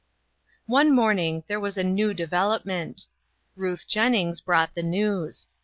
One evening there was a new develop ment. Ruth Jennings brought the news.